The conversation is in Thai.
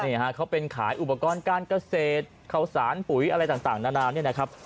นี่ฮะเขาเป็นขายอุปกรณ์การเกษตรเข้าสารปุ๋ยอะไรต่างนานาเนี่ยนะครับ